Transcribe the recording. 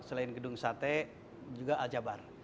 selain gedung sate juga ajabar